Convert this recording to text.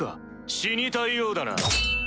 死にたいようだな。